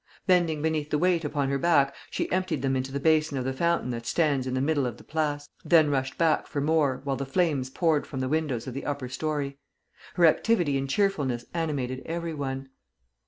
Bending beneath the weight upon her back, she emptied them into the basin of the fountain that stands in the middle of the Place, then rushed back for more, while the flames poured from the windows of the upper story. Her activity and cheerfulness animated every one.